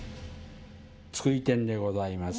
津久井天でございます。